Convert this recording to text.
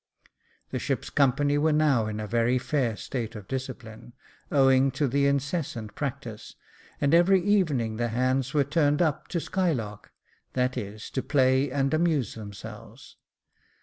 The ship's company were now in a very fair state of discipline, owing to the incessant practice, and every evening the hands were turned up to skylark, that is, to play and amuse themselves.